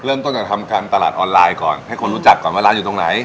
เริ่มต้นจากทำการตลาดออนไลน์ก่อนให้คนรู้จักก่อนว่าร้านอยู่ตรงไหน